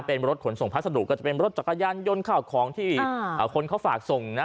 เป็นรถขนส่งพัสดุก็จะเป็นรถจักรยานยนต์ข่าวของที่คนเขาฝากส่งนะ